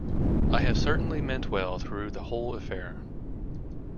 I have certainly meant well through the whole affair.